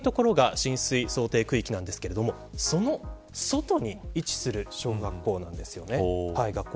実は赤い所が浸水想定区域なんですけれどもその外に位置する小学校なんですよね。